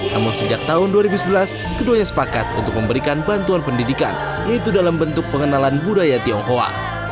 namun sejak tahun dua ribu sebelas keduanya sepakat untuk memberikan bantuan pendidikan yaitu dalam bentuk pengenalan budaya tionghoa